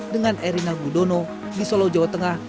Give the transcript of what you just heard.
dengan erina gudono di solo jawa tengah